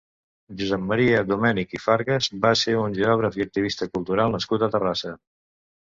Josep Maria Domènech i Fargas va ser un geògraf i activista cultural nascut a Terrassa.